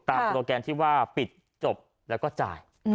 โลแกนที่ว่าปิดจบแล้วก็จ่าย